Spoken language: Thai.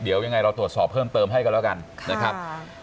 เดี๋ยวยังไงเราตรวจสอบเพิ่มเติมให้กันแล้วกันนะครับ